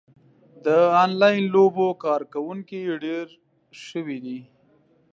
د انلاین لوبو کاروونکي ډېر شوي دي.